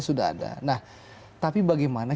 sudah ada nah tapi bagaimana